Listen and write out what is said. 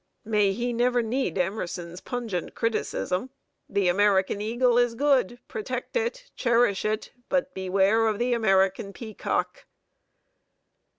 May he never need Emerson's pungent criticism: "The American eagle is good; protect it, cherish it; but beware of the American peacock!"